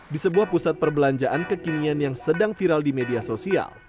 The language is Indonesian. di sebuah pusat perbelanjaan kekinian yang sedang viral di media sosial